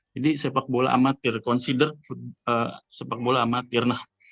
jadi sepak bola amatir considered sepak bola amatir